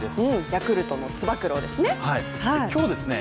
ヤクルトのつば九郎ですね。